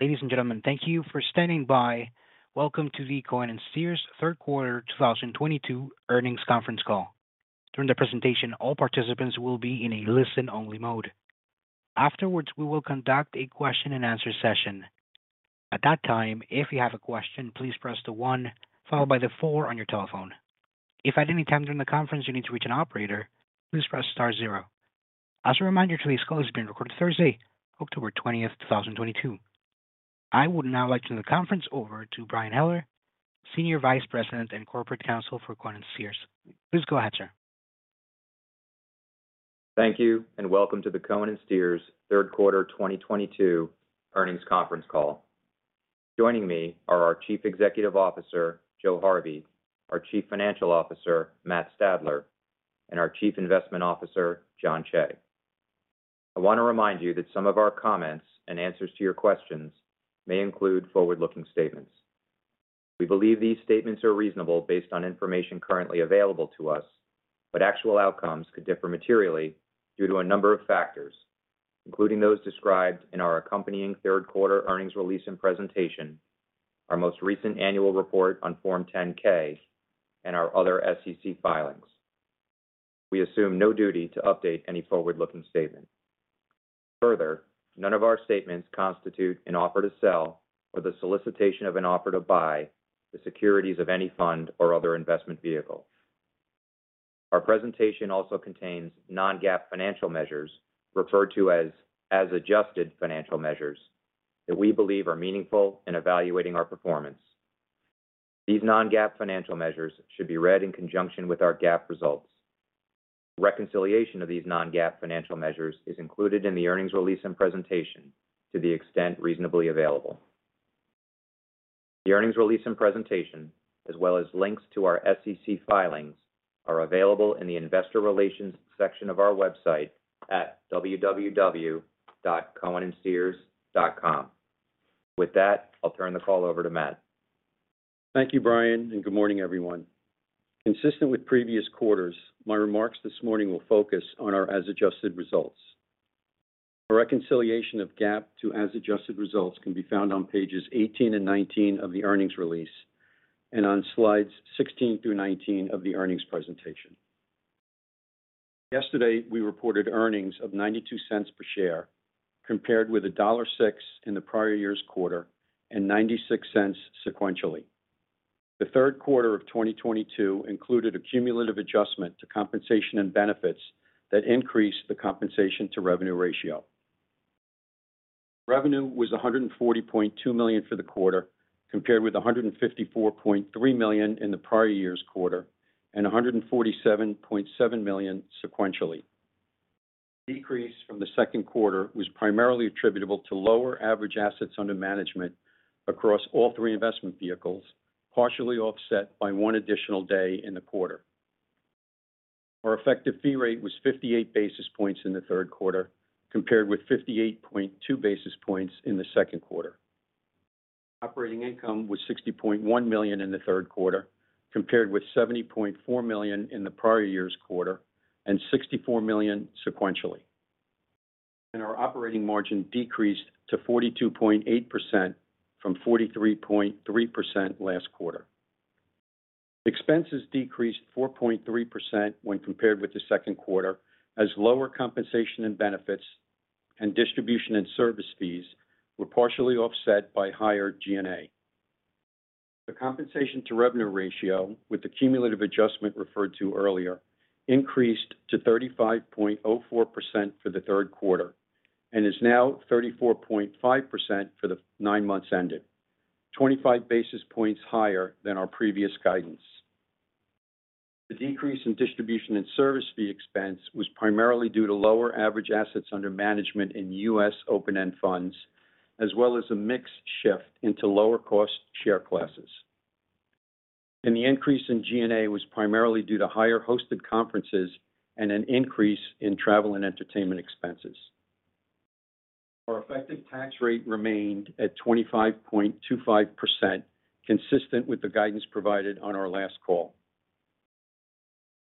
Ladies and gentlemen, thank you for standing by. Welcome to the Cohen & Steers Third Quarter 2022 Earnings Conference Call. During the presentation, all participants will be in a listen-only mode. Afterwards, we will conduct a question-and-answer session. At that time, if you have a question, please press the one followed by the four on your telephone. If at any time during the conference you need to reach an operator, please press star zero. As a reminder, today's call is being recorded Thursday, October 20, 2022. I would now like to turn the conference over to Brian Heller, Senior Vice President and Corporate Counsel for Cohen & Steers. Please go ahead, sir. Thank you, and welcome to the Cohen & Steers third quarter 2022 earnings conference call. Joining me are our Chief Executive Officer, Joe Harvey, our Chief Financial Officer, Matt Stadler, and our Chief Investment Officer, Jon Cheigh. I want to remind you that some of our comments and answers to your questions may include forward-looking statements. We believe these statements are reasonable based on information currently available to us, but actual outcomes could differ materially due to a number of factors, including those described in our accompanying third quarter earnings release and presentation, our most recent annual report on Form 10-K and our other SEC filings. We assume no duty to update any forward-looking statement. Further, none of our statements constitute an offer to sell or the solicitation of an offer to buy the securities of any fund or other investment vehicle. Our presentation also contains non-GAAP financial measures referred to as adjusted financial measures that we believe are meaningful in evaluating our performance. These non-GAAP financial measures should be read in conjunction with our GAAP results. Reconciliation of these non-GAAP financial measures is included in the earnings release and presentation to the extent reasonably available. The earnings release and presentation, as well as links to our SEC filings, are available in the investor relations section of our website at www.cohenandsteers.com. With that, I'll turn the call over to Matt. Thank you, Brian, and good morning, everyone. Consistent with previous quarters, my remarks this morning will focus on our as adjusted results. A reconciliation of GAAP to as adjusted results can be found on pages 18 and 19 of the earnings release and on slides 16 through 19 of the earnings presentation. Yesterday, we reported earnings of $0.92 per share, compared with $1.06 in the prior year's quarter and $0.96 sequentially. The third quarter of 2022 included a cumulative adjustment to compensation and benefits that increased the compensation to revenue ratio. Revenue was $140.2 million for the quarter, compared with $154.3 million in the prior year's quarter and $147.7 million sequentially. Decrease from the second quarter was primarily attributable to lower average assets under management across all three investment vehicles, partially offset by one additional day in the quarter. Our effective fee rate was 58 basis points in the third quarter, compared with 58.2 basis points in the second quarter. Operating income was $60.1 million in the third quarter, compared with $70.4 million in the prior year's quarter and $64 million sequentially. Our operating margin decreased to 42.8% from 43.3% last quarter. Expenses decreased 4.3% when compared with the second quarter, as lower compensation and benefits and distribution and service fees were partially offset by higher G&A. The compensation to revenue ratio with the cumulative adjustment referred to earlier increased to 35.04% for the third quarter and is now 34.5% for the nine months ending, 25 basis points higher than our previous guidance. The decrease in distribution and service fee expense was primarily due to lower average assets under management in U.S. open-end funds, as well as a mix shift into lower cost share classes. The increase in G&A was primarily due to higher hosted conferences and an increase in travel and entertainment expenses. Our effective tax rate remained at 25.25%, consistent with the guidance provided on our last call.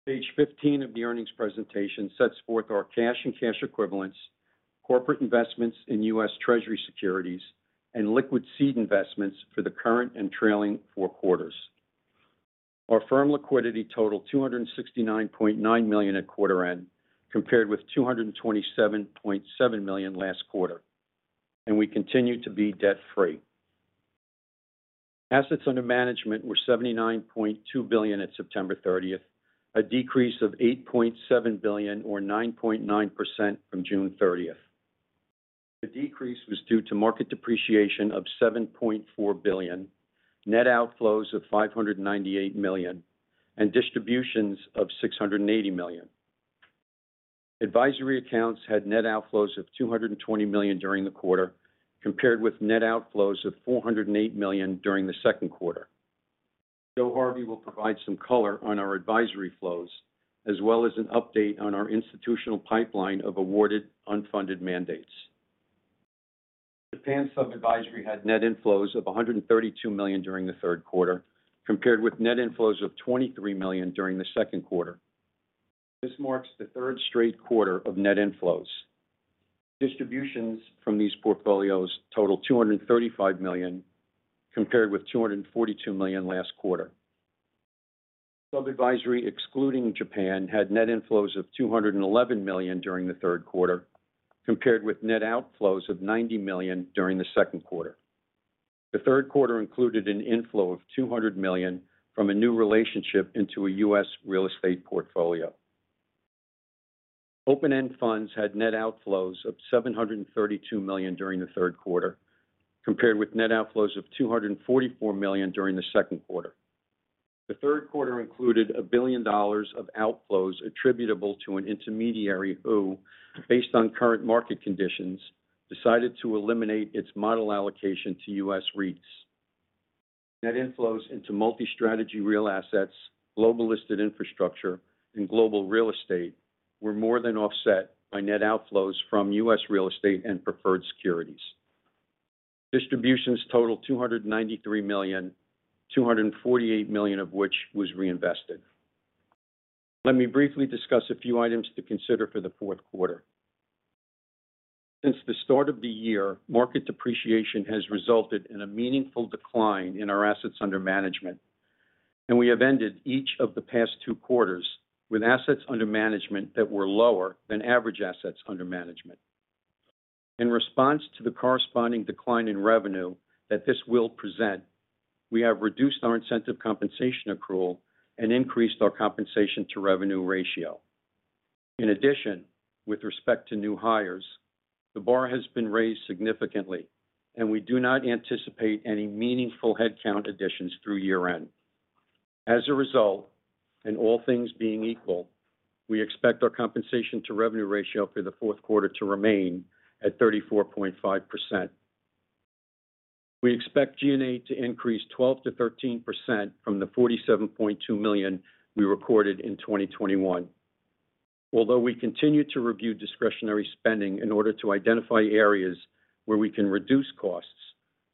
Page 15 of the earnings presentation sets forth our cash and cash equivalents, corporate investments in U.S. Treasury securities, and liquid seed investments for the current and trailing four quarters. Our firm liquidity totaled $269.9 million at quarter end, compared with $227.7 million last quarter. We continue to be debt-free. Assets under management were $79.2 billion at September thirtieth, a decrease of $8.7 billion or 9.9% from June thirtieth. The decrease was due to market depreciation of $7.4 billion, net outflows of $598 million, and distributions of $680 million. Advisory accounts had net outflows of $220 million during the quarter, compared with net outflows of $408 million during the second quarter. Joe Harvey will provide some color on our advisory flows, as well as an update on our institutional pipeline of awarded unfunded mandates. Japan sub-advisory had net inflows of $132 million during the third quarter, compared with net inflows of $23 million during the second quarter. This marks the third straight quarter of net inflows. Distributions from these portfolios totaled $235 million, compared with $242 million last quarter. Sub-advisory, excluding Japan, had net inflows of $211 million during the third quarter, compared with net outflows of $90 million during the second quarter. The third quarter included an inflow of $200 million from a new relationship into a U.S. real estate portfolio. Open-end funds had net outflows of $732 million during the third quarter, compared with net outflows of $244 million during the second quarter. The third quarter included $1 billion of outflows attributable to an intermediary who, based on current market conditions, decided to eliminate its model allocation to U.S. REITs. Net inflows into Multi-Strategy Real Assets, Global Listed Infrastructure, and Global Real Estate were more than offset by net outflows from U.S. Real Estate and Preferred Securities. Distributions totaled $293 million, $248 million of which was reinvested. Let me briefly discuss a few items to consider for the fourth quarter. Since the start of the year, market depreciation has resulted in a meaningful decline in our assets under management, and we have ended each of the past two quarters with assets under management that were lower than average assets under management. In response to the corresponding decline in revenue that this will present, we have reduced our incentive compensation accrual and increased our compensation-to-revenue ratio. In addition, with respect to new hires, the bar has been raised significantly, and we do not anticipate any meaningful headcount additions through year-end. As a result, and all things being equal, we expect our compensation-to-revenue ratio for the fourth quarter to remain at 34.5%. We expect G&A to increase 12%-13% from the $47.2 million we recorded in 2021. Although we continue to review discretionary spending in order to identify areas where we can reduce costs,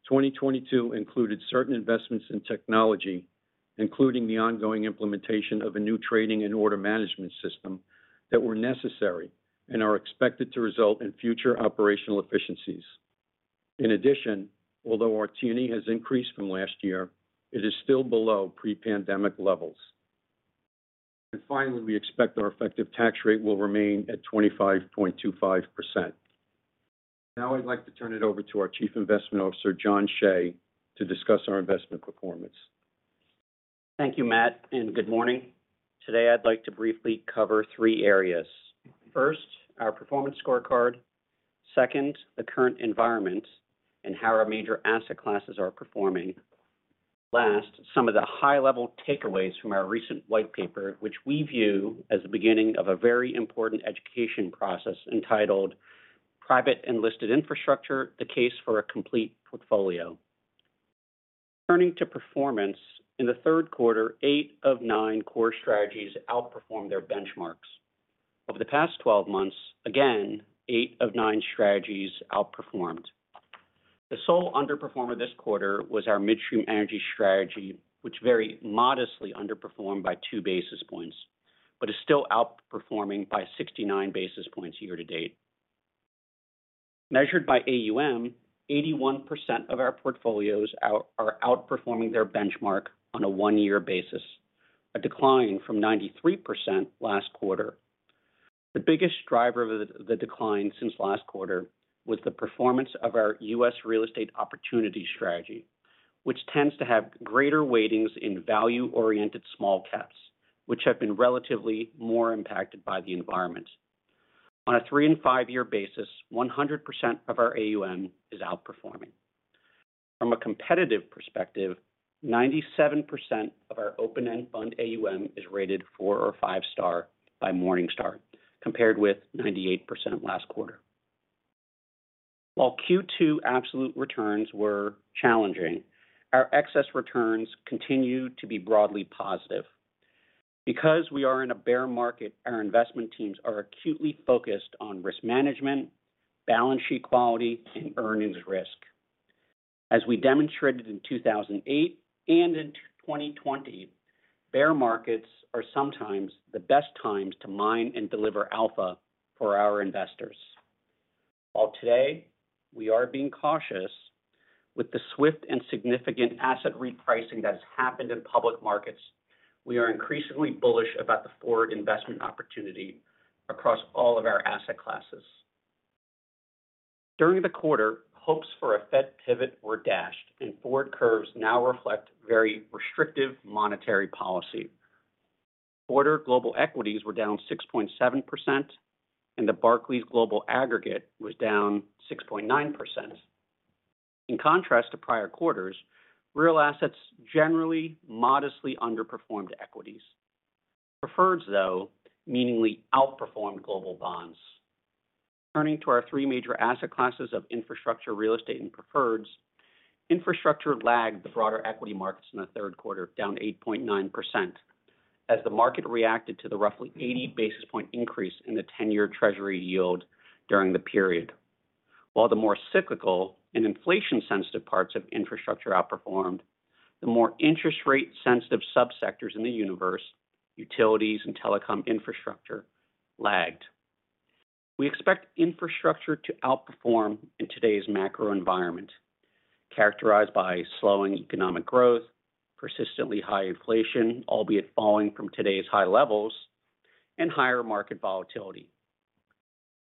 2022 included certain investments in technology, including the ongoing implementation of a new trading and order management system, that were necessary and are expected to result in future operational efficiencies. In addition, although our T&E has increased from last year, it is still below pre-pandemic levels. Finally, we expect our effective tax rate will remain at 25.25%. Now I'd like to turn it over to our Chief Investment Officer, Jon Cheigh, to discuss our investment performance. Thank you, Matt, and good morning. Today, I'd like to briefly cover three areas. First, our performance scorecard. Second, the current environment and how our major asset classes are performing. Last, some of the high-level takeaways from our recent white paper, which we view as the beginning of a very important education process entitled Private and Listed Infrastructure: The Case for a Complete Portfolio. Turning to performance, in the third quarter, eight of nine core strategies outperformed their benchmarks. Over the past 12 months, again, eight of nine strategies outperformed. The sole underperformer this quarter was our Midstream Energy strategy, which very modestly underperformed by 2 basis points, but is still outperforming by 69 basis points year to date. Measured by AUM, 81% of our portfolios are outperforming their benchmark on a one-year basis, a decline from 93% last quarter. The biggest driver of the decline since last quarter was the performance of our U.S. Real Estate Opportunities Strategy, which tends to have greater weightings in value-oriented small caps, which have been relatively more impacted by the environment. On a three- and five-year basis, 100% of our AUM is outperforming. From a competitive perspective, 97% of our open-end fund AUM is rated four- or five-star by Morningstar, compared with 98% last quarter. While Q2 absolute returns were challenging, our excess returns continue to be broadly positive. Because we are in a bear market, our investment teams are acutely focused on risk management, balance sheet quality, and earnings risk. As we demonstrated in 2008 and in 2020, bear markets are sometimes the best times to mine and deliver alpha for our investors. While today we are being cautious, with the swift and significant asset repricing that has happened in public markets, we are increasingly bullish about the forward investment opportunity across all of our asset classes. During the quarter, hopes for a Fed pivot were dashed, and forward curves now reflect very restrictive monetary policy. Global equities were down 6.7%, and the Bloomberg Barclays Global Aggregate was down 6.9%. In contrast to prior quarters, real assets generally modestly underperformed equities. Preferreds, though, meaningfully outperformed global bonds. Turning to our three major asset classes of infrastructure, real estate, and preferreds, infrastructure lagged the broader equity markets in the third quarter, down 8.9%, as the market reacted to the roughly 80 basis point increase in the 10-year Treasury yield during the period. While the more cyclical and inflation-sensitive parts of infrastructure outperformed, the more interest rate-sensitive subsectors in the universe, utilities and telecom infrastructure lagged. We expect infrastructure to outperform in today's macro environment, characterized by slowing economic growth, persistently high inflation, albeit falling from today's high levels, and higher market volatility.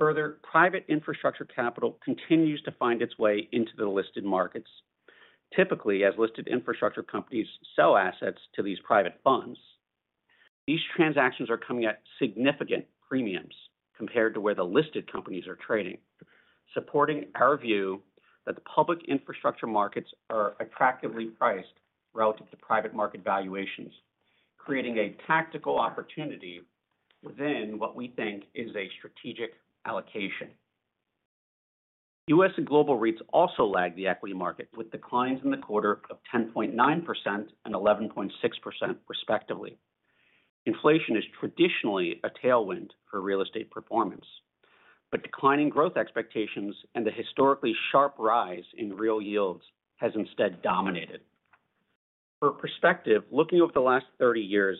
Further, private infrastructure capital continues to find its way into the listed markets. Typically, as listed infrastructure companies sell assets to these private funds, these transactions are coming at significant premiums compared to where the listed companies are trading, supporting our view that the public infrastructure markets are attractively priced relative to private market valuations, creating a tactical opportunity within what we think is a strategic allocation. U.S. and global REITs also lagged the equity market, with declines in the quarter of 10.9% and 11.6% respectively. Inflation is traditionally a tailwind for real estate performance, but declining growth expectations and the historically sharp rise in real yields has instead dominated. For perspective, looking over the last 30 years,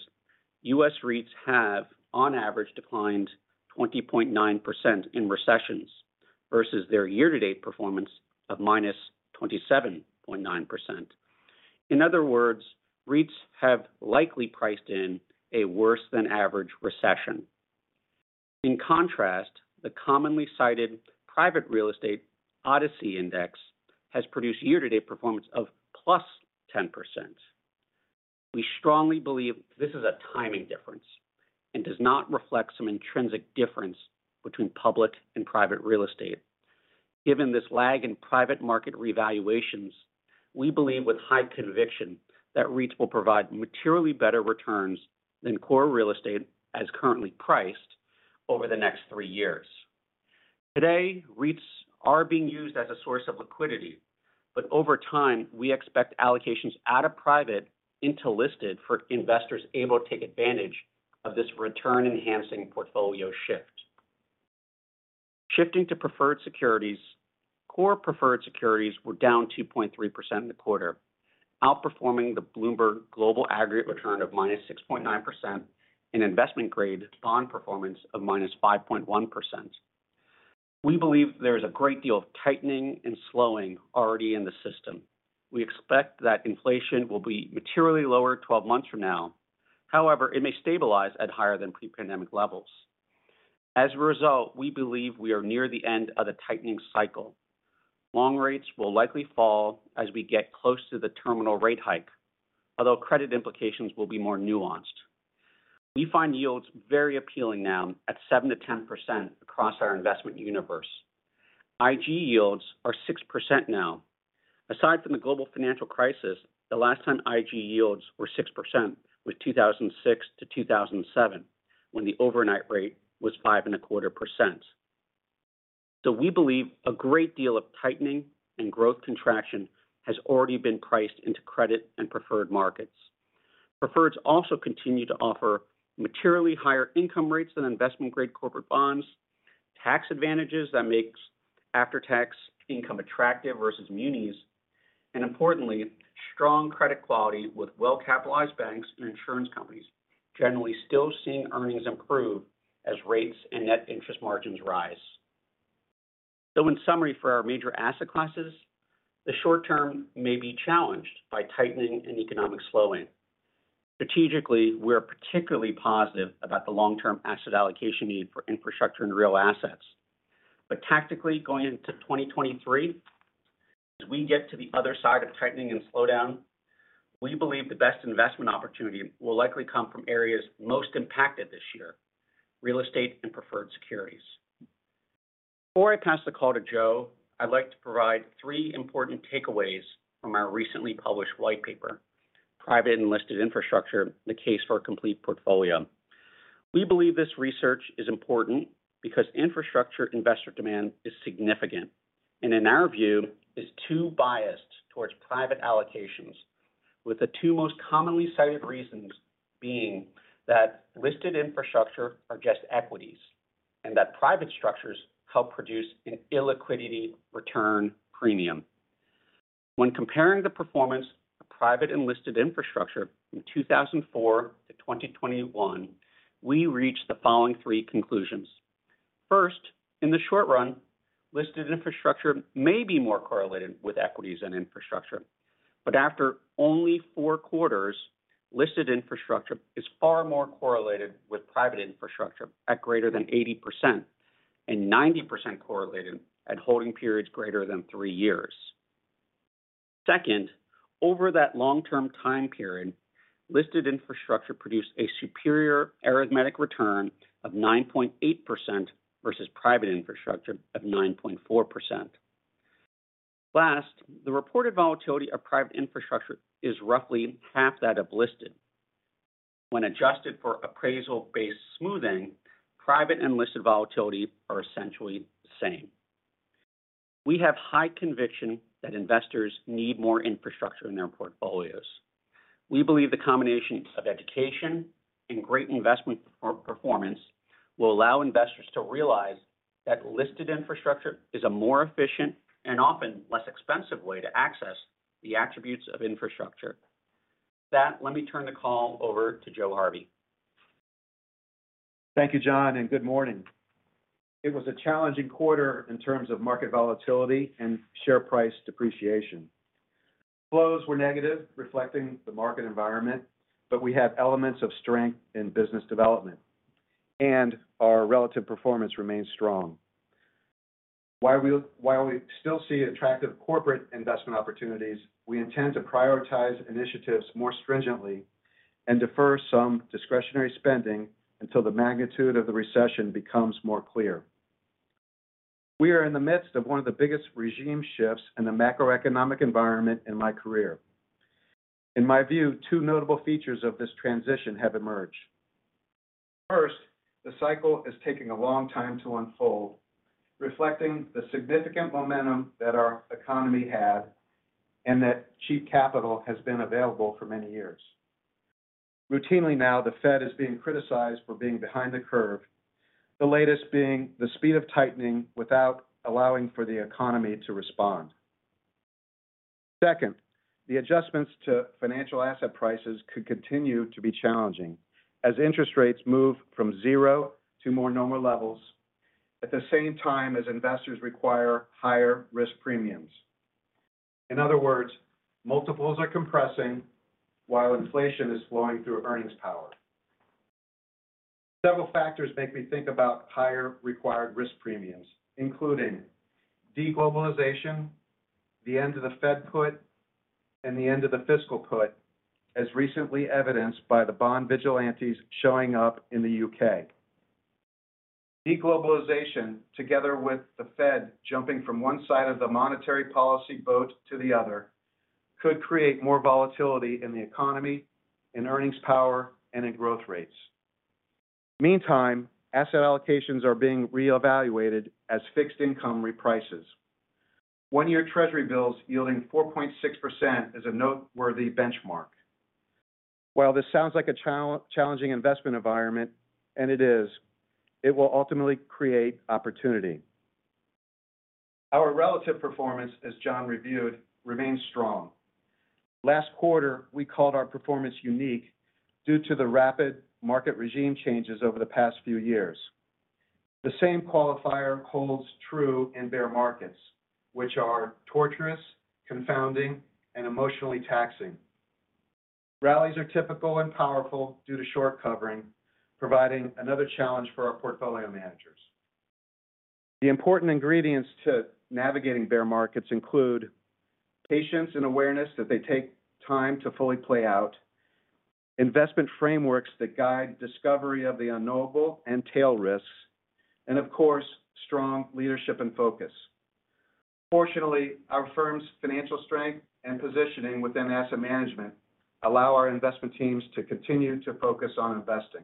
U.S. REITs have on average declined 20.9% in recessions versus their year-to-date performance of -27.9%. In other words, REITs have likely priced in a worse than average recession. In contrast, the commonly cited private real estate NFI-ODCE index has produced year-to-date performance of +10%. We strongly believe this is a timing difference and does not reflect some intrinsic difference between public and private real estate. Given this lag in private market revaluations, we believe with high conviction that REITs will provide materially better returns than core real estate as currently priced over the next three years. Today, REITs are being used as a source of liquidity, but over time, we expect allocations out of private into listed for investors able to take advantage of this return-enhancing portfolio shift. Shifting to preferred securities, core preferred securities were down 2.3% in the quarter, outperforming the Bloomberg Global Aggregate return of -6.9% and investment-grade bond performance of -5.1%. We believe there is a great deal of tightening and slowing already in the system. We expect that inflation will be materially lower 12 months from now. However, it may stabilize at higher than pre-pandemic levels. As a result, we believe we are near the end of the tightening cycle. Long rates will likely fall as we get close to the terminal rate hike, although credit implications will be more nuanced. We find yields very appealing now at 7%-10% across our investment universe. IG yields are 6% now. Aside from the global financial crisis, the last time IG yields were 6% was 2006-2007 when the overnight rate was 5.25%. We believe a great deal of tightening and growth contraction has already been priced into credit and preferred markets. Preferreds also continue to offer materially higher income rates than investment-grade corporate bonds, tax advantages that makes after-tax income attractive versus munis, and importantly, strong credit quality with well-capitalized banks and insurance companies generally still seeing earnings improve as rates and net interest margins rise. In summary for our major asset classes, the short term may be challenged by tightening and economic slowing. Strategically, we are particularly positive about the long-term asset allocation need for infrastructure and real assets. Tactically, going into 2023, as we get to the other side of tightening and slowdown, we believe the best investment opportunity will likely come from areas most impacted this year, real estate and preferred securities. Before I pass the call to Joe, I'd like to provide three important takeaways from our recently published white paper, Private and Listed Infrastructure: The Case for a Complete Portfolio. We believe this research is important because infrastructure investor demand is significant, and in our view, is too biased towards private allocations, with the two most commonly cited reasons being that listed infrastructure are just equities and that private structures help produce an illiquidity return premium. When comparing the performance of private and listed infrastructure from 2004 to 2021, we reach the following three conclusions. First, in the short run, listed infrastructure may be more correlated with equities and infrastructure. After only four quarters, listed infrastructure is far more correlated with private infrastructure at greater than 80% and 90% correlated at holding periods greater than three years. Second, over that long-term time period, listed infrastructure produced a superior arithmetic return of 9.8% versus private infrastructure of 9.4%. Last, the reported volatility of private infrastructure is roughly half that of listed. When adjusted for appraisal-based smoothing, private and listed volatility are essentially the same. We have high conviction that investors need more infrastructure in their portfolios. We believe the combination of education and great investment performance will allow investors to realize that listed infrastructure is a more efficient and often less expensive way to access the attributes of infrastructure. With that, let me turn the call over to Joe Harvey. Thank you, Jon, and good morning. It was a challenging quarter in terms of market volatility and share price depreciation. Flows were negative, reflecting the market environment, but we have elements of strength in business development, and our relative performance remains strong. While we still see attractive corporate investment opportunities, we intend to prioritize initiatives more stringently and defer some discretionary spending until the magnitude of the recession becomes more clear. We are in the midst of one of the biggest regime shifts in the macroeconomic environment in my career. In my view, two notable features of this transition have emerged. First, the cycle is taking a long time to unfold, reflecting the significant momentum that our economy had and that cheap capital has been available for many years. Routinely now, the Fed is being criticized for being behind the curve, the latest being the speed of tightening without allowing for the economy to respond. Second, the adjustments to financial asset prices could continue to be challenging as interest rates move from zero to more normal levels at the same time as investors require higher risk premiums. In other words, multiples are compressing while inflation is flowing through earnings power. Several factors make me think about higher required risk premiums, including de-globalization, the end of the Fed put, and the end of the fiscal put, as recently evidenced by the bond vigilantes showing up in the U.K. De-globalization, together with the Fed jumping from one side of the monetary policy boat to the other, could create more volatility in the economy, in earnings power, and in growth rates. Meantime, asset allocations are being reevaluated as fixed income reprices. 1-year Treasury bills yielding 4.6% is a noteworthy benchmark. While this sounds like a challenging investment environment, and it is, it will ultimately create opportunity. Our relative performance, as Jon reviewed, remains strong. Last quarter, we called our performance unique due to the rapid market regime changes over the past few years. The same qualifier holds true in bear markets, which are torturous, confounding, and emotionally taxing. Rallies are typical and powerful due to short covering, providing another challenge for our portfolio managers. The important ingredients to navigating bear markets include patience and awareness that they take time to fully play out, investment frameworks that guide discovery of the unknowable and tail risks, and of course, strong leadership and focus. Fortunately, our firm's financial strength and positioning within asset management allow our investment teams to continue to focus on investing.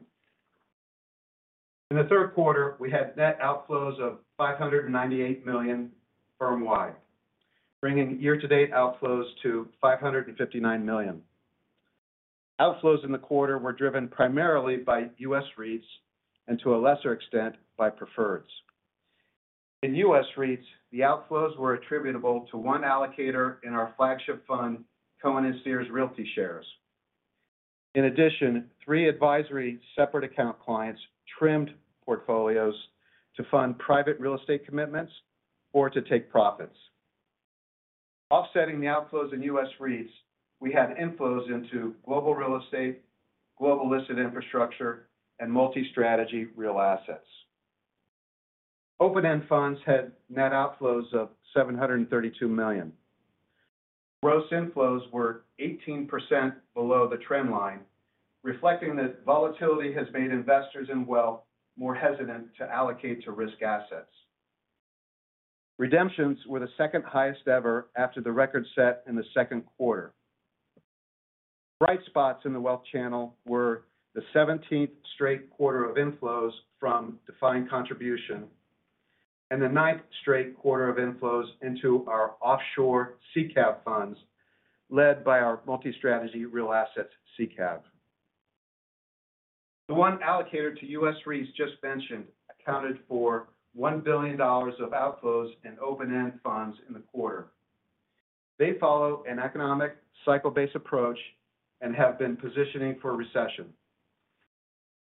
In the third quarter, we had net outflows of $598 million firm-wide, bringing year-to-date outflows to $559 million. Outflows in the quarter were driven primarily by U.S. REITs and to a lesser extent by preferreds. In U.S. REITs, the outflows were attributable to one allocator in our flagship fund, Cohen & Steers Realty Shares. In addition, three advisory separate account clients trimmed portfolios to fund private real estate commitments or to take profits. Offsetting the outflows in U.S. REITs, we had inflows into Global Real Estate, Global Listed Infrastructure, and Multi-Strategy Real Assets. Open-end funds had net outflows of $732 million. Gross inflows were 18% below the trend line, reflecting that volatility has made investors in wealth more hesitant to allocate to risk assets. Redemptions were the second highest ever after the record set in the second quarter. Bright spots in the wealth channel were the 17th straight quarter of inflows from defined contribution and the 9th straight quarter of inflows into our offshore SICAV funds, led by our multi-strategy Real Assets SICAV. The one allocator to U.S. REITs just mentioned accounted for $1 billion of outflows in open-end funds in the quarter. They follow an economic cycle-based approach and have been positioning for a recession.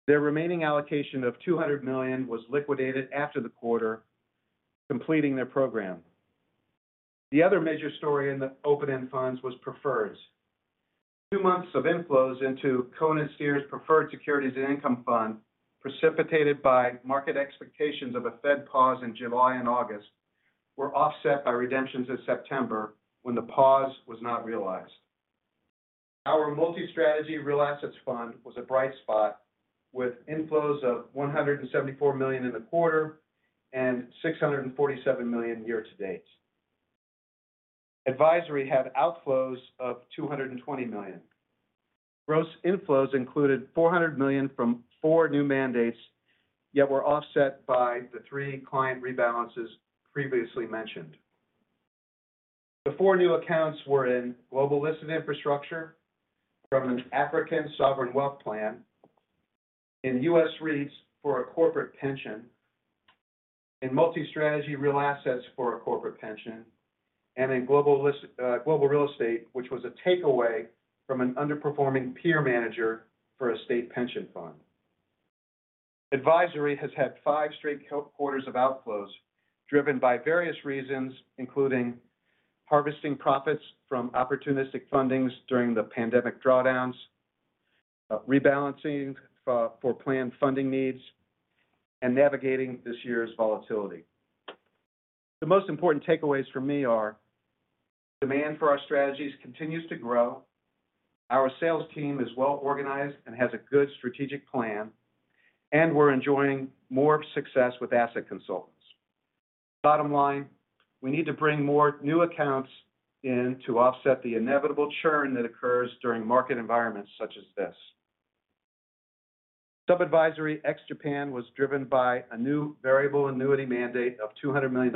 Their remaining allocation of $200 million was liquidated after the quarter, completing their program. The other major story in the open-end funds was preferreds. Two months of inflows into Cohen & Steers Preferred Securities and Income Fund, precipitated by market expectations of a Fed pause in July and August, were offset by redemptions in September when the pause was not realized. Our Multi-Strategy Real Assets fund was a bright spot with inflows of $174 million in the quarter and $647 million year to date. Advisory had outflows of $220 million. Gross inflows included $400 million from four new mandates, yet were offset by the three client rebalances previously mentioned. The four new accounts were in Global Listed Infrastructure from an African sovereign wealth fund, in U.S. REITs for a corporate pension, in Multi-Strategy Real Assets for a corporate pension, and in Global Real Estate, which was a takeaway from an underperforming peer manager for a state pension fund. Advisory has had five straight quarters of outflows driven by various reasons, including harvesting profits from opportunistic fundings during the pandemic drawdowns, rebalancing for planned funding needs, and navigating this year's volatility. The most important takeaways for me are demand for our strategies continues to grow. Our sales team is well-organized and has a good strategic plan, and we're enjoying more success with asset consultants. Bottom line, we need to bring more new accounts in to offset the inevitable churn that occurs during market environments such as this. Sub-advisory ex-Japan was driven by a new variable annuity mandate of $200 million,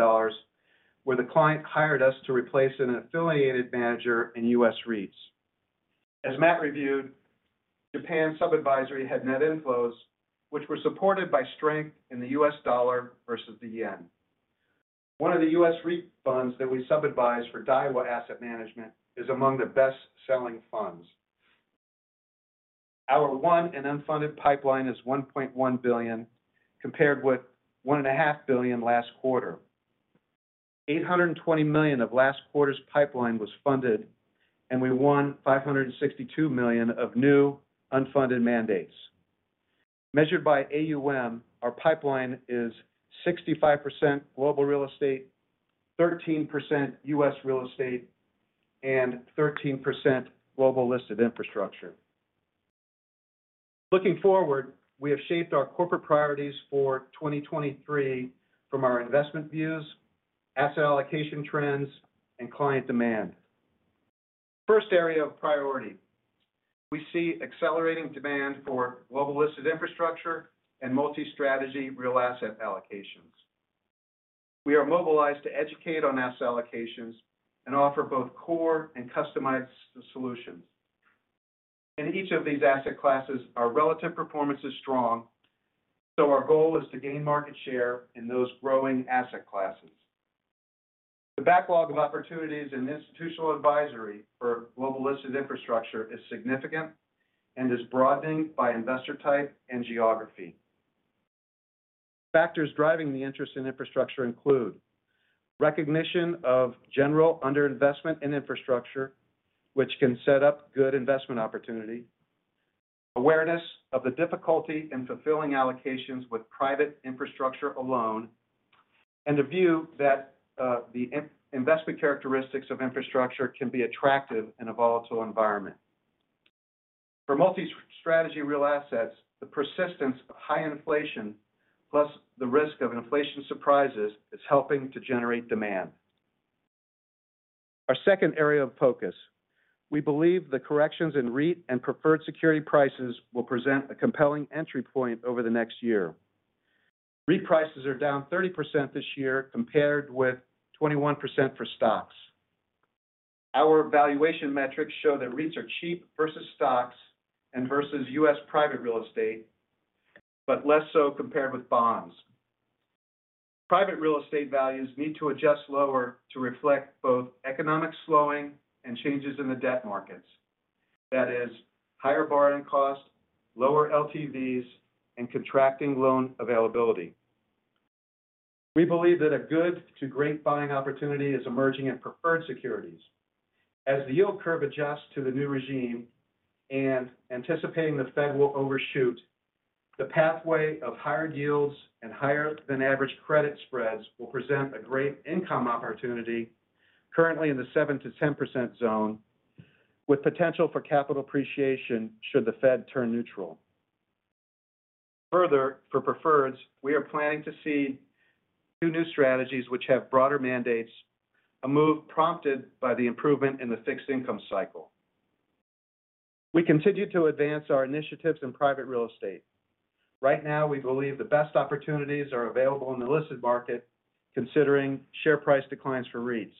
where the client hired us to replace an affiliated manager in U.S. REITs. As Matt reviewed, Japan sub-advisory had net inflows, which were supported by strength in the U.S. dollar versus the yen. One of the U.S. REIT funds that we sub-advise for Daiwa Asset Management is among the best-selling funds. Our won and unfunded pipeline is $1.1 billion, compared with $1.5 billion last quarter. $820 million of last quarter's pipeline was funded, and we won $562 million of new unfunded mandates. Measured by AUM, our pipeline is 65% Global Real Estate, 13% U.S. Real Estate, and 13% Global Listed Infrastructure. Looking forward, we have shaped our corporate priorities for 2023 from our investment views, asset allocation trends, and client demand. First area of priority, we see accelerating demand for Global Listed Infrastructure and Multi-Strategy Real Assets allocations. We are mobilized to educate on asset allocations and offer both core and customized solutions. In each of these asset classes, our relative performance is strong, so our goal is to gain market share in those growing asset classes. The backlog of opportunities in institutional advisory for Global Listed Infrastructure is significant and is broadening by investor type and geography. Factors driving the interest in infrastructure include recognition of general underinvestment in infrastructure, which can set up good investment opportunity, awareness of the difficulty in fulfilling allocations with private infrastructure alone, and the view that the investment characteristics of infrastructure can be attractive in a volatile environment. For Multi-Strategy Real Assets, the persistence of high inflation plus the risk of inflation surprises is helping to generate demand. Our second area of focus, we believe the corrections in REIT and preferred security prices will present a compelling entry point over the next year. REIT prices are down 30% this year, compared with 21% for stocks. Our valuation metrics show that REITs are cheap versus stocks and versus U.S. private real estate, but less so compared with bonds. Private real estate values need to adjust lower to reflect both economic slowing and changes in the debt markets. That is higher borrowing costs, lower LTVs, and contracting loan availability. We believe that a good to great buying opportunity is emerging in preferred securities. As the yield curve adjusts to the new regime and anticipating the Fed will overshoot, the pathway of higher yields and higher than average credit spreads will present a great income opportunity currently in the 7%-10% zone, with potential for capital appreciation should the Fed turn neutral. Further, for preferreds, we are planning to see two new strategies which have broader mandates, a move prompted by the improvement in the fixed income cycle. We continue to advance our initiatives in private real estate. Right now, we believe the best opportunities are available in the listed market, considering share price declines for REITs.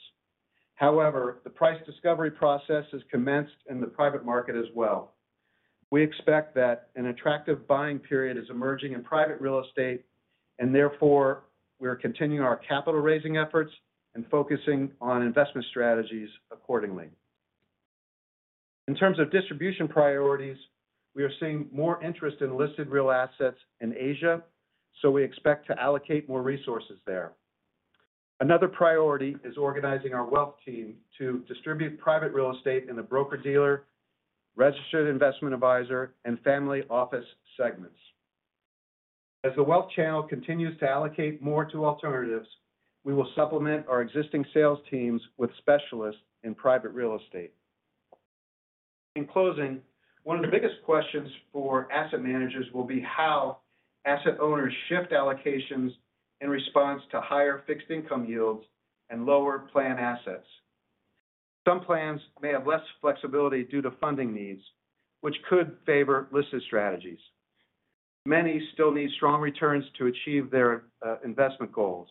However, the price discovery process has commenced in the private market as well. We expect that an attractive buying period is emerging in private real estate, and therefore we are continuing our capital raising efforts and focusing on investment strategies accordingly. In terms of distribution priorities, we are seeing more interest in listed real assets in Asia, so we expect to allocate more resources there. Another priority is organizing our wealth team to distribute private real estate in the broker-dealer, registered investment advisor, and family office segments. As the wealth channel continues to allocate more to alternatives, we will supplement our existing sales teams with specialists in private real estate. In closing, one of the biggest questions for asset managers will be how asset owners shift allocations in response to higher fixed income yields and lower plan assets. Some plans may have less flexibility due to funding needs, which could favor listed strategies. Many still need strong returns to achieve their investment goals.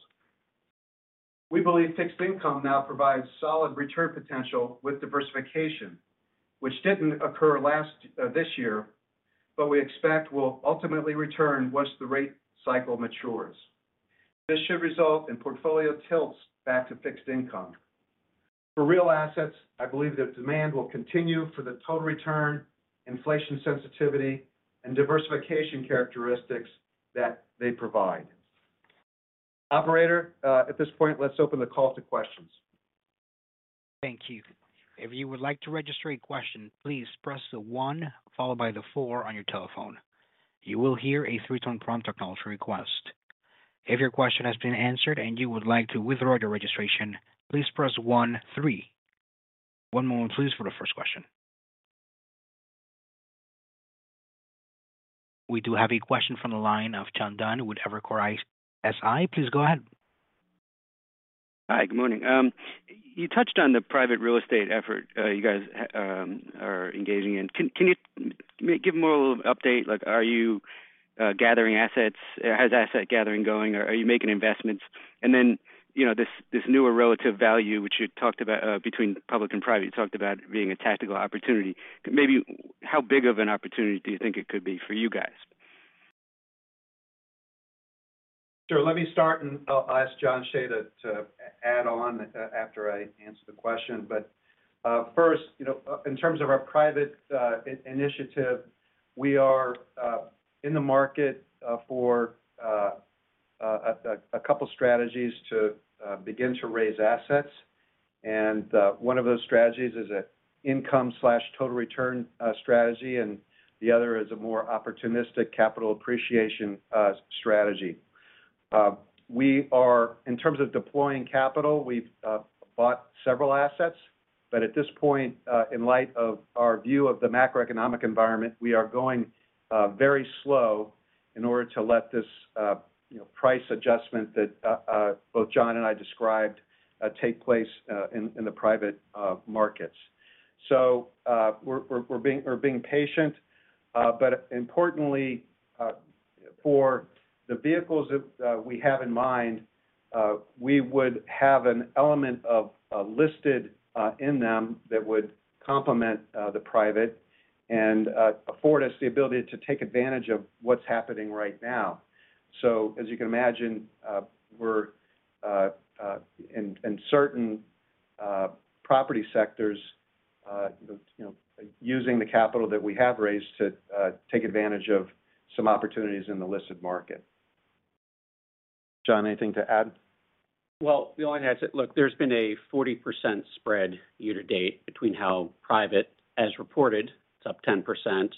We believe fixed income now provides solid return potential with diversification, which didn't occur this year, but we expect will ultimately return once the rate cycle matures. This should result in portfolio tilts back to fixed income. For real assets, I believe that demand will continue for the total return, inflation sensitivity, and diversification characteristics that they provide. Operator, at this point, let's open the call to questions. Thank you. If you would like to register a question, please press the one followed by the four on your telephone. You will hear a three-tone prompt acknowledge your request. If your question has been answered and you would like to withdraw your registration, please press one three. One moment please for the first question. We do have a question from the line of John Dunn with Evercore ISI. Please go ahead. Hi, good morning. You touched on the private real estate effort you guys are engaging in. Can you give more of update? Like, are you gathering assets? How's asset gathering going? Or are you making investments? And then, this newer relative value which you talked about between public and private, you talked about being a tactical opportunity. Maybe how big of an opportunity do you think it could be for you guys? Sure. Let me start, and I'll ask Jon Cheigh to add on after I answer the question. First, you know, in terms of our private initiative, we are in the market for a couple strategies to begin to raise assets. One of those strategies is a income/total return strategy, and the other is a more opportunistic capital appreciation strategy. In terms of deploying capital, we've bought several assets, but at this point, in light of our view of the macroeconomic environment, we are going very slow in order to let this, you know, price adjustment that both Jon Cheigh and I described take place in the private markets. We're being patient. Importantly, for the vehicles that we have in mind, we would have an element of listed in them that would complement the private and afford us the ability to take advantage of what's happening right now. As you can imagine, we're in certain property sectors, you know, using the capital that we have raised to take advantage of some opportunities in the listed market. Jon, anything to add? Well, the only answer. Look, there's been a 40% spread year to date between how private, as reported, it's up 10%,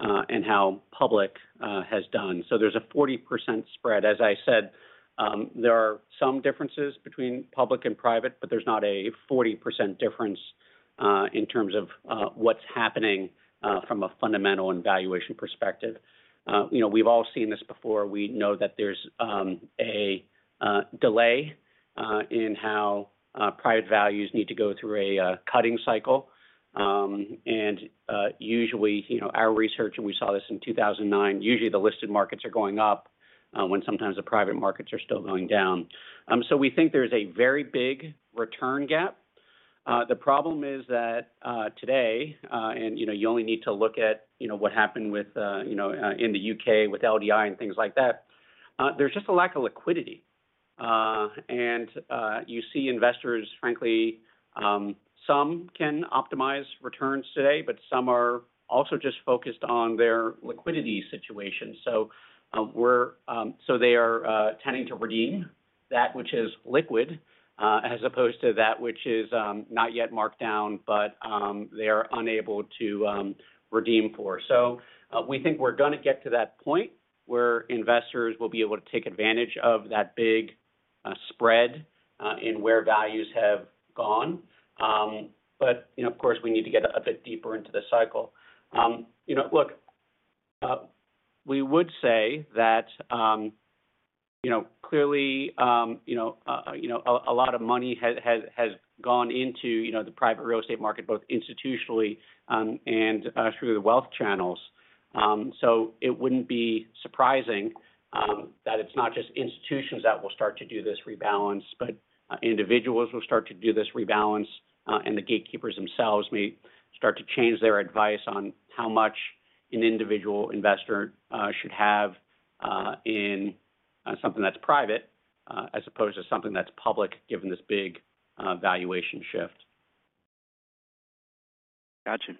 and how public has done. There's a 40% spread. As I said, there are some differences between public and private, but there's not a 40% difference in terms of what's happening from a fundamental and valuation perspective. You know, we've all seen this before. We know that there's a delay in how private values need to go through a cutting cycle. Usually, you know, our research, and we saw this in 2009, usually the listed markets are going up when sometimes the private markets are still going down. We think there's a very big return gap. The problem is that today, and you know, you only need to look at, you know, what happened with, you know, in the U.K. with LDI and things like that. There's just a lack of liquidity. You see investors, frankly, some can optimize returns today, but some are also just focused on their liquidity situation. They are tending to redeem that which is liquid, as opposed to that which is not yet marked down, but they are unable to redeem for. We think we're gonna get to that point where investors will be able to take advantage of that big spread in where values have gone. You know, of course, we need to get a bit deeper into the cycle. You know, look, we would say that, you know, clearly, you know, a lot of money has gone into, you know, the private real estate market, both institutionally and through the wealth channels. It wouldn't be surprising that it's not just institutions that will start to do this rebalance, but individuals will start to do this rebalance, and the gatekeepers themselves may start to change their advice on how much an individual investor should have in something that's private as opposed to something that's public, given this big valuation shift. Gotcha.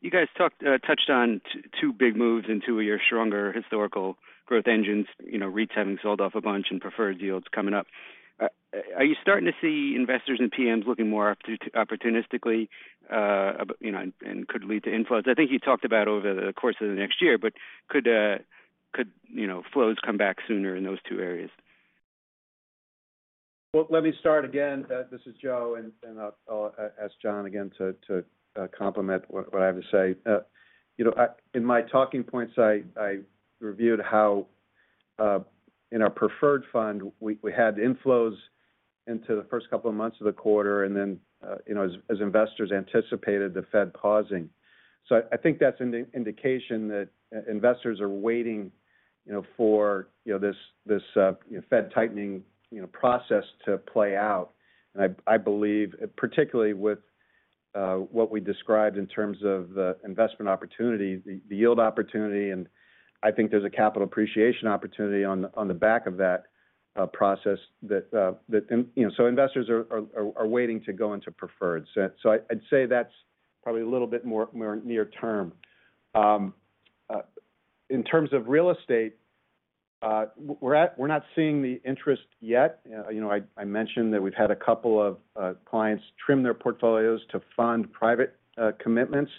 You guys touched on two big moves in two of your stronger historical growth engines, you know, REITs having sold off a bunch and preferred yields coming up. Are you starting to see investors and PMs looking more opportunistically, you know, and could lead to inflows? I think you talked about over the course of the next year, but could, you know, flows come back sooner in those two areas? Well, let me start again. This is Joe, and I'll ask Jon again to complement what I have to say. You know, in my talking points, I reviewed how in our preferred fund, we had inflows into the first couple of months of the quarter, and then, you know, as investors anticipated, the Fed pausing. I think that's an indication that investors are waiting, you know, for, you know, this Fed tightening, you know, process to play out. I believe, particularly with what we described in terms of the investment opportunity, the yield opportunity, and I think there's a capital appreciation opportunity on the back of that process. Investors are waiting to go into preferred. I'd say that's probably a little bit more near term. In terms of real estate, we're not seeing the interest yet. You know, I mentioned that we've had a couple of clients trim their portfolios to fund private commitments.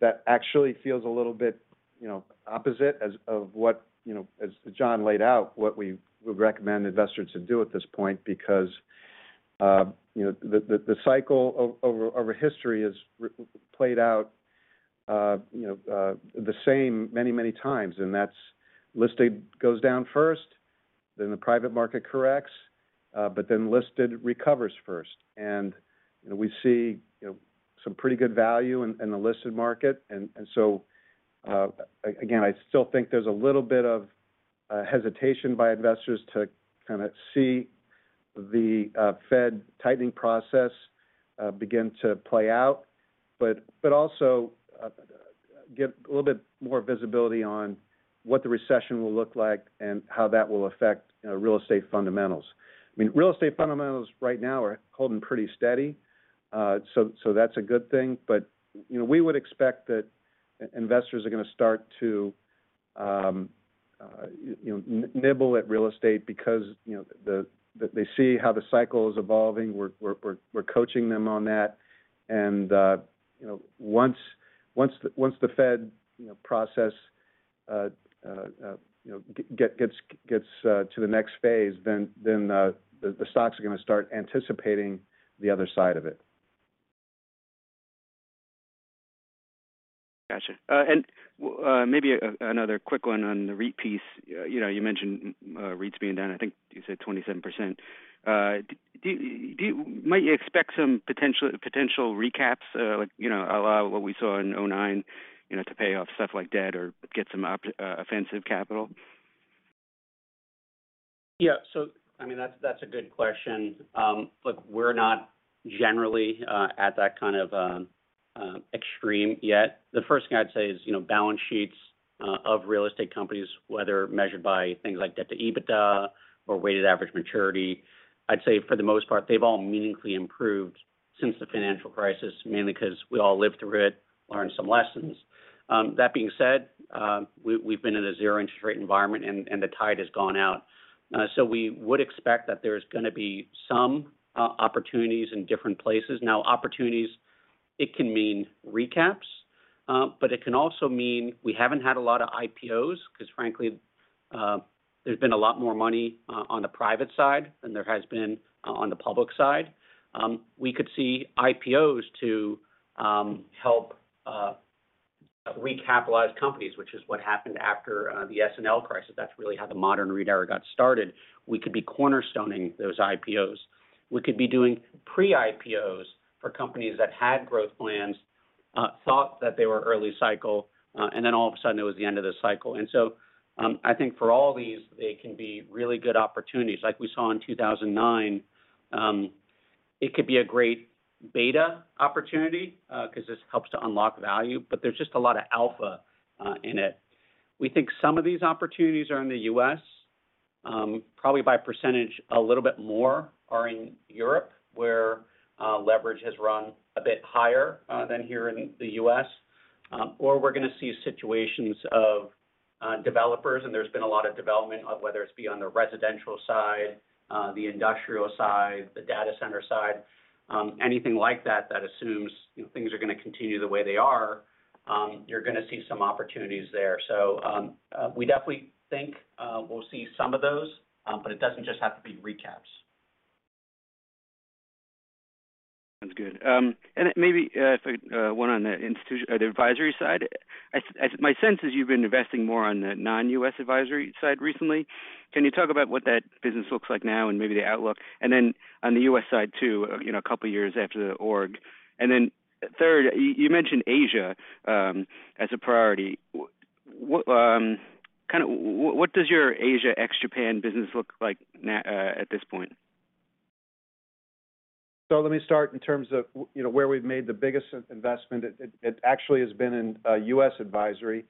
That actually feels a little bit, you know, opposite of what, you know, as Jon laid out, what we would recommend investors to do at this point, because, you know, the cycle over history has played out, you know, the same many times, and that listed goes down first, then the private market corrects, but then listed recovers first. You know, we see, you know, some pretty good value in the listed market. I still think there's a little bit of hesitation by investors to kind of see the Fed tightening process begin to play out, but also get a little bit more visibility on what the recession will look like and how that will affect, you know, real estate fundamentals. I mean, real estate fundamentals right now are holding pretty steady, so that's a good thing. You know, we would expect that investors are gonna start to, you know, nibble at real estate because, you know, they see how the cycle is evolving. We're coaching them on that. You know, once the Fed process gets to the next phase, then the stocks are gonna start anticipating the other side of it. Gotcha. Maybe another quick one on the REIT piece. You know, you mentioned REITs being down, I think you said 27%. Might you expect some potential recaps, like, you know, a la what we saw in 2009, you know, to pay off stuff like debt or get some offensive capital? Yeah. I mean, that's a good question. Look, we're not generally at that kind of extreme yet. The first thing I'd say is, you know, balance sheets of real estate companies, whether measured by things like debt to EBITDA or weighted average maturity, I'd say for the most part, they've all meaningfully improved since the financial crisis, mainly 'cause we all lived through it, learned some lessons. That being said, we've been in a zero interest rate environment, and the tide has gone out. We would expect that there's gonna be some opportunities in different places. Now, opportunities, it can mean recaps, but it can also mean we haven't had a lot of IPOs, 'cause frankly, there's been a lot more money on the private side than there has been on the public side. We could see IPOs, too, to help recapitalize companies, which is what happened after the S&L crisis. That's really how the modern REIT era got started. We could be cornerstoning those IPOs. We could be doing pre-IPOs for companies that had growth plans, thought that they were early cycle, and then all of a sudden it was the end of the cycle. I think for all these, they can be really good opportunities, like we saw in 2009. It could be a great beta opportunity, 'cause this helps to unlock value, but there's just a lot of alpha in it. We think some of these opportunities are in the U.S., probably by percentage, a little bit more are in Europe, where leverage has run a bit higher than here in the U.S. We're gonna see situations of developers, and there's been a lot of development whether it be on the residential side, the industrial side, the data center side, anything like that that assumes, you know, things are gonna continue the way they are. You're gonna see some opportunities there. We definitely think we'll see some of those, but it doesn't just have to be recaps. Sounds good. Maybe one on the institutional advisory side. My sense is you've been investing more on the non-U.S. advisory side recently. Can you talk about what that business looks like now and maybe the outlook? Then on the U.S. side too, you know, a couple of years after the org. Then third, you mentioned Asia as a priority. Kind of what does your Asia ex-Japan business look like now at this point? Let me start in terms of, you know, where we've made the biggest investment. It actually has been in U.S. Advisory,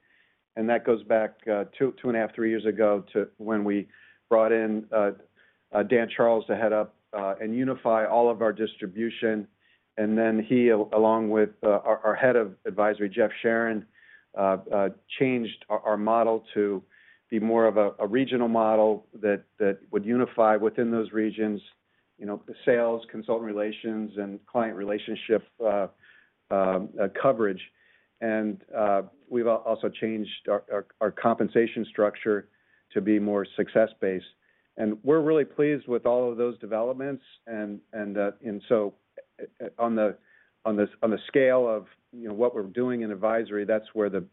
and that goes back two and a half, three years ago to when we brought in Daniel Charles to head up and unify all of our distribution. Then he, along with our head of advisory, Jeffrey Palma, changed our model to be more of a regional model that would unify within those regions, you know, sales, consultant relations, and client relationship coverage. We've also changed our compensation structure to be more success-based. We're really pleased with all of those developments. On the scale of, you know, what we're doing in advisory, that's where the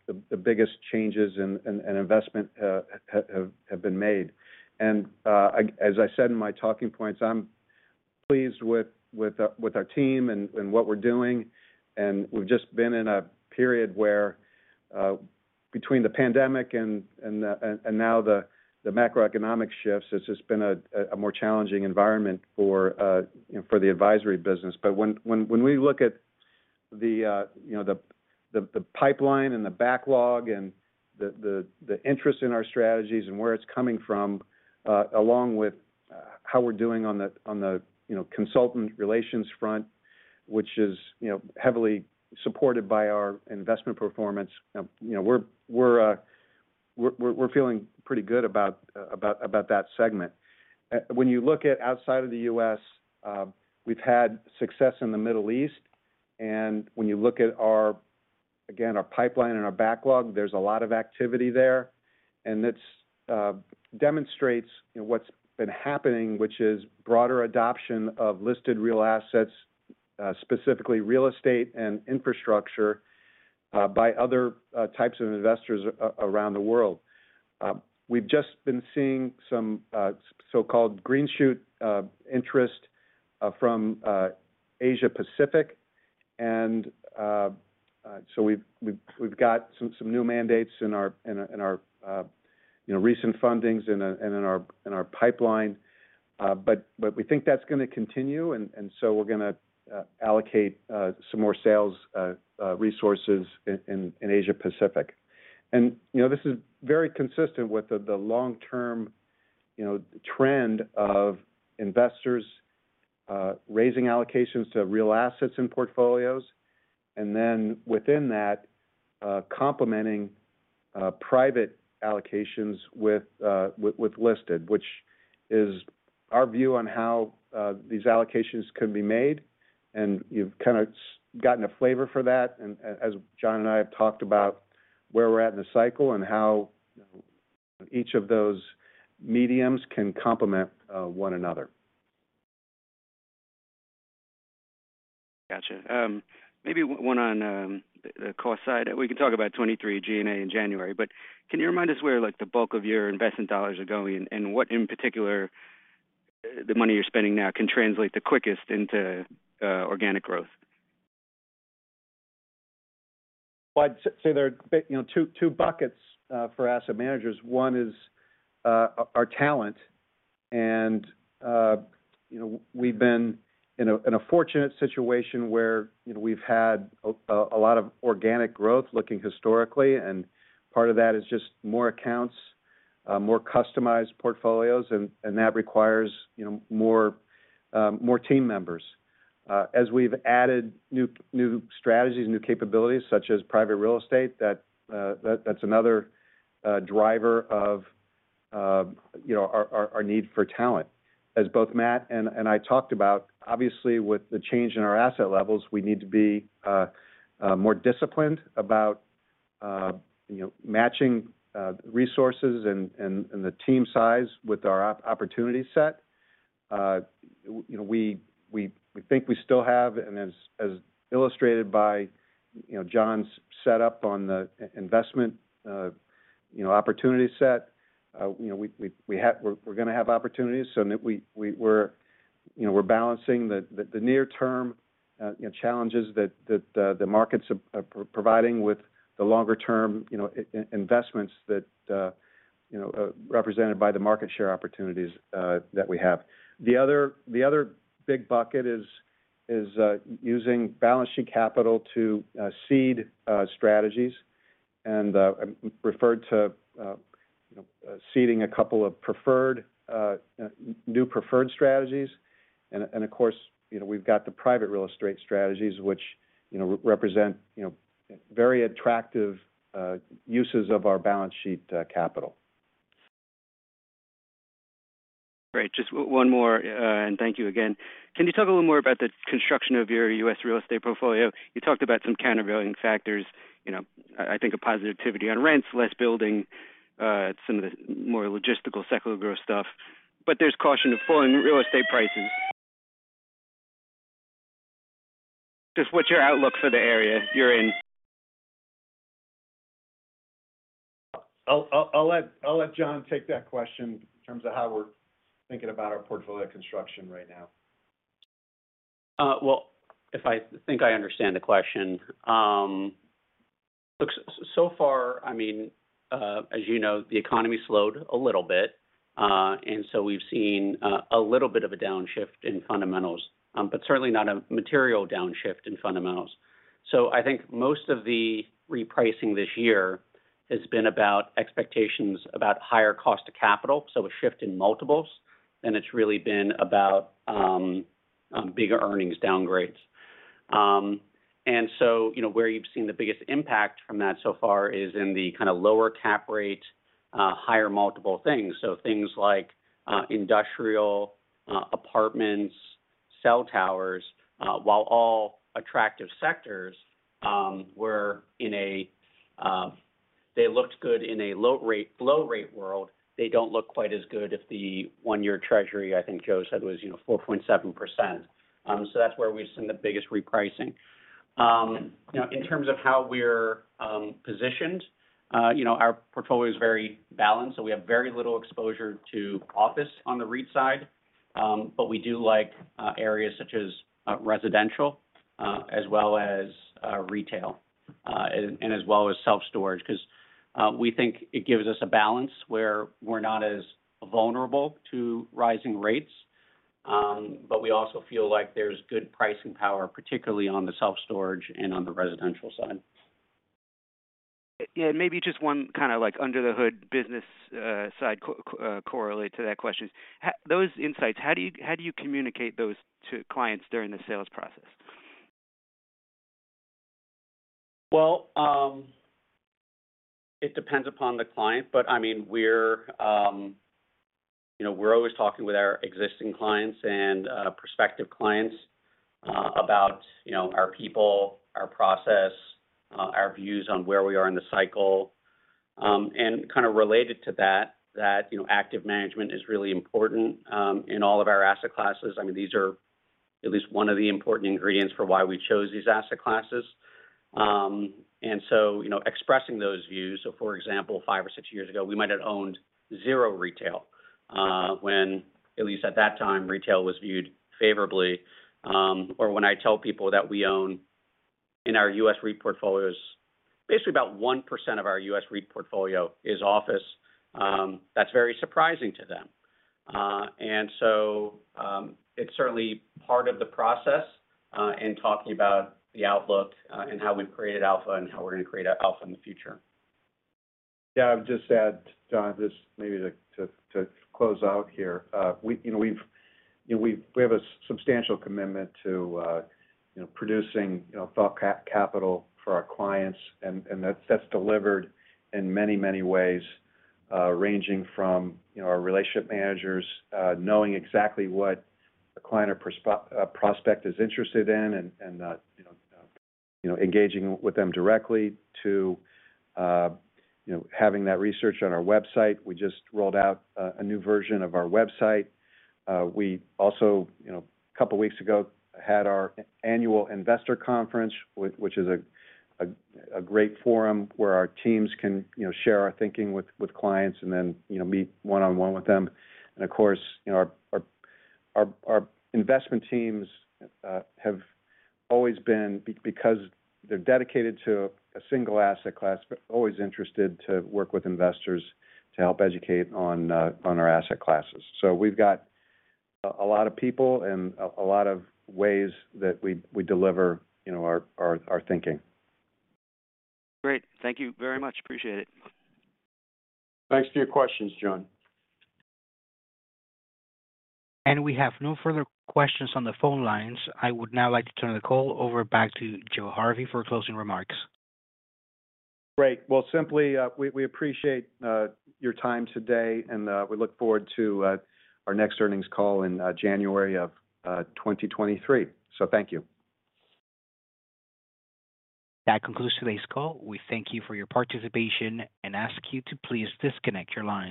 biggest changes and investment have been made. As I said in my talking points, I'm pleased with our team and what we're doing. We've just been in a period where, between the pandemic and now the macroeconomic shifts, it's just been a more challenging environment for, you know, the advisory business. When we look at the you know the pipeline and the backlog and the interest in our strategies and where it's coming from along with how we're doing on the you know consultant relations front which is you know heavily supported by our investment performance you know we're feeling pretty good about that segment. When you look outside of the U.S., we've had success in the Middle East. When you look at our pipeline and our backlog again, there's a lot of activity there. It demonstrates what's been happening which is broader adoption of listed real assets specifically real estate and infrastructure by other types of investors around the world. We've just been seeing some so-called green shoots interest from Asia-Pacific. We've got some new mandates in our recent fundings and in our pipeline. We think that's gonna continue. We're gonna allocate some more sales resources in Asia-Pacific. You know, this is very consistent with the long-term, you know, trend of investors raising allocations to real assets in portfolios, and then within that, complementing private allocations with listed, which is our view on how these allocations can be made. You've kinda gotten a flavor for that. As Jon and I have talked about where we're at in the cycle and how each of those mediums can complement one another. Gotcha. Maybe one on the cost side. We can talk about 2023 G&A in January, but can you remind us where, like, the bulk of your investment dollars are going and what, in particular, the money you're spending now can translate the quickest into organic growth? Well, I'd say there are, you know, two buckets for asset managers. One is our talent. You know, we've been in a fortunate situation where, you know, we've had a lot of organic growth looking historically, and part of that is just more accounts, more customized portfolios, and that requires, you know, more team members. As we've added new strategies, new capabilities such as private real estate, that's another driver of, you know, our need for talent. As both Matt and I talked about, obviously, with the change in our asset levels, we need to be more disciplined about, you know, matching resources and the team size with our opportunity set. You know, we think we still have, and as illustrated by Jon's setup on the investment opportunity set, you know, we're gonna have opportunities. We're balancing the near term challenges that the markets are providing with the longer term investments that represented by the market share opportunities that we have. The other big bucket is using balance sheet capital to seed strategies. I referred to seeding a couple of new preferred strategies. Of course, you know, we've got the private real estate strategies which represent very attractive uses of our balance sheet capital. Great. Just one more, and thank you again. Can you talk a little more about the construction of your U.S. real estate portfolio? You talked about some countervailing factors, you know, I think a positivity on rents, less building, some of the more logistical cyclical growth stuff. There's caution of falling real estate prices. Just what's your outlook for the area you're in? I'll let Jon take that question in terms of how we're thinking about our portfolio construction right now. Well, I think I understand the question. Look so far, I mean, as you know, the economy slowed a little bit, and we've seen a little bit of a downshift in fundamentals, but certainly not a material downshift in fundamentals. I think most of the repricing this year has been about expectations about higher cost of capital, so a shift in multiples, and it's really been about bigger earnings downgrades. You know, where you've seen the biggest impact from that so far is in the kind of lower cap rate, higher multiple things. Things like industrial, apartments, cell towers, while all attractive sectors, were in a they looked good in a low rate world, they don't look quite as good as the one-year Treasury, I think Joe said was, you know, 4.7%. That's where we've seen the biggest repricing. You know, in terms of how we're positioned, you know, our portfolio is very balanced, so we have very little exposure to office on the REIT side. But we do like areas such as residential, as well as retail, and as well as self-storage, 'cause we think it gives us a balance where we're not as vulnerable to rising rates. But we also feel like there's good pricing power, particularly on the self-storage and on the residential side. Yeah, maybe just one kind of like under the hood business-side correlate to that question. Those insights, how do you communicate those to clients during the sales process? Well, it depends upon the client, but I mean, we're, you know, we're always talking with our existing clients and, prospective clients, about, you know, our people, our process, our views on where we are in the cycle. Kind of related to that, you know active management is really important in all of our asset classes. I mean, these are at least one of the important ingredients for why we chose these asset classes. You know, expressing those views, so for example, five or six years ago, we might have owned zero retail, when at least at that time, retail was viewed favorably. When I tell people that we own in our U.S. REIT portfolios, basically about 1% of our U.S. REIT portfolio is office, that's very surprising to them. It's certainly part of the process in talking about the outlook and how we've created alpha and how we're gonna create alpha in the future. Yeah. I'd just add to this maybe to close out here. We have a substantial commitment to producing thought capital for our clients. That's delivered in many ways, ranging from our relationship managers knowing exactly what a client or prospect is interested in and engaging with them directly to having that research on our website. We just rolled out a new version of our website. We also a couple of weeks ago had our annual investor conference, which is a great forum where our teams can share our thinking with clients and then meet one-on-one with them. Of course, you know, our investment teams have always been because they're dedicated to a single asset class, but always interested to work with investors to help educate on our asset classes. We've got a lot of people and a lot of ways that we deliver, you know, our thinking. Great. Thank you very much. Appreciate it. Thanks for your questions, John. We have no further questions on the phone lines. I would now like to turn the call over back to Joe Harvey for closing remarks. Great. Well, simply, we appreciate your time today, and we look forward to our next earnings call in January 2023. Thank you. That concludes today's call. We thank you for your participation and ask you to please disconnect your lines.